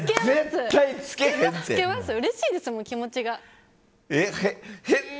うれしいですもん、気持ちが。